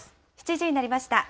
７時になりました。